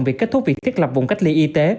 việc kết thúc việc thiết lập vùng cách ly y tế